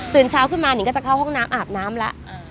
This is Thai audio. เช้าขึ้นมานิ่งก็จะเข้าห้องน้ำอาบน้ำแล้ว